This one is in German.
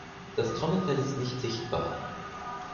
Das Trommelfell ist nicht sichtbar.